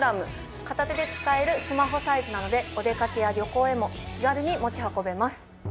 片手で使えるスマホサイズなのでお出掛けや旅行へも気軽に持ち運べます。